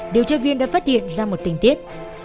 điều tra viên đã phát hiện ra một tình tiết